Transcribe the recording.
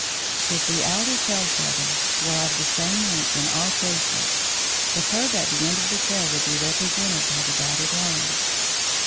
If the outer tail feather were of the same length in all cases, the curve at the end of the tail would be represented by the dotted lines.